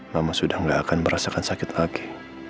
mama sudah tidak akan merasakan sakit lagi